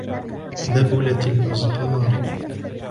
ذبلت الأزهار.